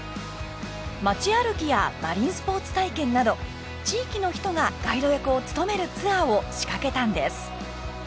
街歩きやマリンスポーツ体験など地域の人がガイド役を務めるツアーを仕掛けたんです。